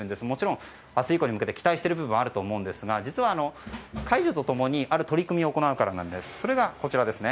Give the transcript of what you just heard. もちろん明日以降に向けて期待している部分もあると思うんですが解除と共にある取り組みを行うからなんです。